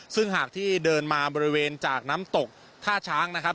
ซึ่งหากที่เดินมาบริเวณจากน้ำตกท่าช้างนะครับ